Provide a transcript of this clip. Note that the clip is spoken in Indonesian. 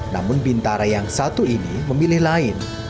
namun bintara yang satu ini memilih lain